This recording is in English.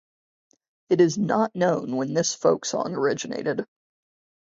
It is not known when this folk song originated.